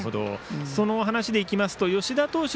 その話でいきますと吉田投手